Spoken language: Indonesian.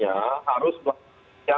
jadi ini juga harus diperhatikan